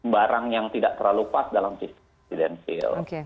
barang yang tidak terlalu pas dalam sistem presiden sil